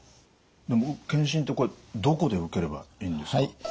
でも検診ってこれどこで受ければいいんですか？